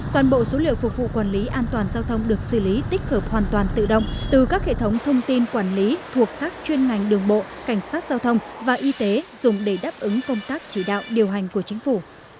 toàn bộ số liệu phục vụ quản lý an toàn giao thông được xử lý tích hợp hoàn toàn tự động từ các hệ thống thông tin quản lý thuộc các chuyên ngành đường bộ cảnh sát giao thông và y tế dùng để đáp ứng công tác chỉ đạo điều hành của chính phủ